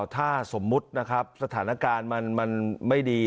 ถ้าสมมุตินะครับสถานการณ์มันไม่ดี